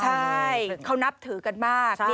ใช่เขานับถือกันมาก